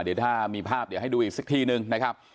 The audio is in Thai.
เดี๋ยวถ้ามีภาพให้ดูอีกสักทีหนึ่งนะครับ